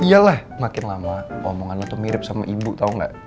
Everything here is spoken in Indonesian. iya lah makin lama omongan lo tuh mirip sama ibu tau gak